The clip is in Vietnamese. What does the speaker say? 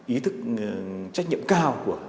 ý thức trách nhiệm cao